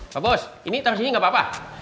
pak bos ini taruh di sini gak apa apa